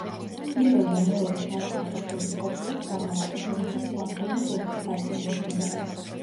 პირველ და მეორე სართულებს შორის ყოფილა სამალავი, რომელსაც სამხრეთით ერთი სარკმელი ჰქონია.